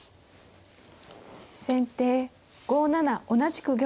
先手５七同じく玉。